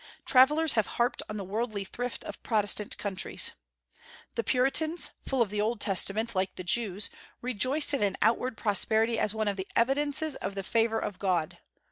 Travellers have harped on the worldly thrift of Protestant countries. The Puritans, full of the Old Testament, like the Jews, rejoiced in an outward prosperity as one of the evidences of the favor of God.